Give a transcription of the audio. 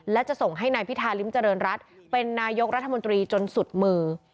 และจะส่งให้นายพิธาริมเจริญรัฐเป็นนายกรัฐมนตรีจนสุดมือ